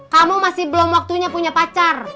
kamu masih belum waktunya punya pacar